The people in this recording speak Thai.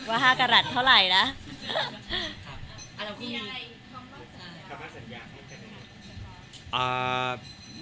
คำนักสัญญาณให้แค่นี้